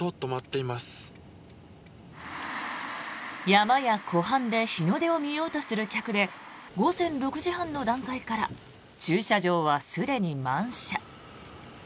山や湖畔で日の出を見ようとする客で午前６時半の段階から駐車場はすでに満車。